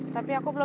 tapi aku belum